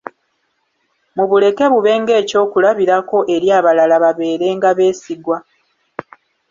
Mubuleke bube ng'ekyokulabirako eri abalala babeerenga beesigwa.